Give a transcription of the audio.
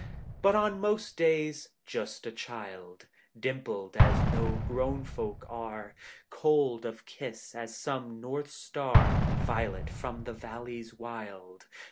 But on most days just a child Dimpled as no grown folk are, Cold of kiss as some north star, Violet from the valleys wild.